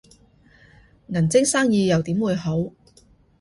銀晶生意又點會好